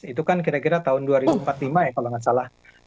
itu kan kira kira tahun dua ribu empat puluh lima ya kalau nggak salah